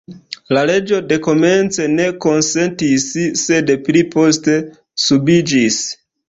La reĝo dekomence ne konsentis, sed pli poste subiĝis.